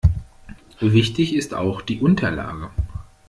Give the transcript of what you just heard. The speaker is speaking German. Wichtig ist auch die Unterlage.